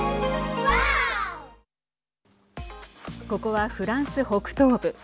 ここはフランス北東部。